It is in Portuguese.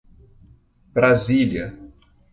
Brasília